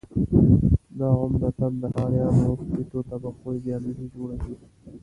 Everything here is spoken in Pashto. دا عمدتاً د ښاریانو ټیټو طبقو ایدیالوژي جوړوي.